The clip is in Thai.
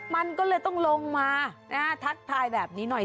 มันก็เลยต้องลงมาทักทายแบบนี้หน่อย